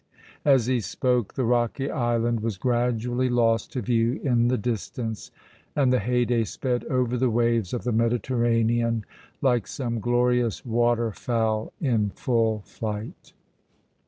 As he spoke the rocky island was gradually lost to view in the distance, and the Haydée sped over the waves of the Mediterranean like some glorious water fowl in full flight.